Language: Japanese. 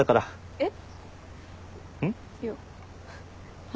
えっ？